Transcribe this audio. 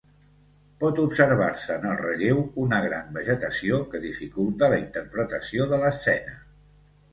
Pot observar-se en el relleu una gran vegetació, que dificulta la interpretació de l'escena.